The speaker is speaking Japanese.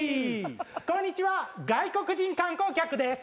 こんにちは外国人観光客です。